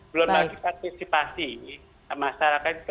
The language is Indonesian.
belum lagi partisipasi masyarakat